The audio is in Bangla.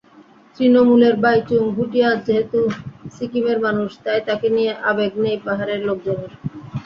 তূণমূলের বাইচুং ভুটিয়া যেহেতু সিকিমের মানুষ, তাই তাঁকে নিয়ে আবেগ নেই পাহাড়ের লোকজনের।